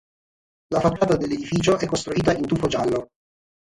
La facciata dell'edificio è costruita in tufo giallo.